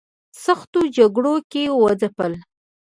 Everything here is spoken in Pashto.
سختو جګړو کې وځپل.